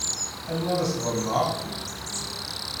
Anwa ara sḍelmeɣ?